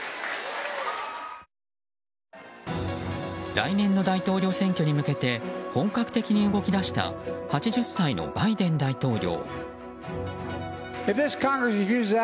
来年の大統領選挙に向けて本格的に動き出した８０歳のバイデン大統領。